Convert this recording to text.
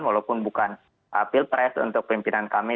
walaupun bukan pilpres untuk pimpinan kami